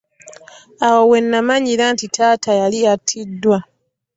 We namanyira nti taata yali attiddwa.